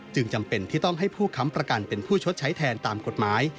จำเป็นที่ต้องให้ผู้ค้ำประกันเป็นผู้ชดใช้แทนตามกฎหมาย